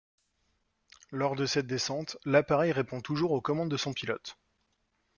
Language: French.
Lors de cette descente, l'appareil réponds toujours aux commandes de son pilote.